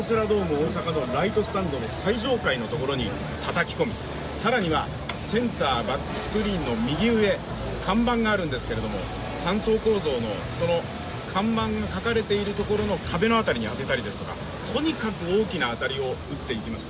大阪のライトスタンド最上階、更にセンターバックスクリーンの看板があるんですけれども、三層構造のその看板が書かれているところの壁の辺りに当てたりですとかとにかく大きな当たりをしていました。